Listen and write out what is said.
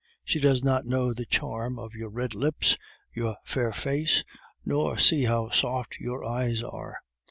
She does not know the charm of your red lips, your fair face, nor see how soft your eyes are....